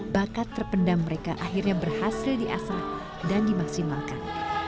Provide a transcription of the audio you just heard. bakat terpendam mereka akhirnya berhasil diasah dan dimaksimalkan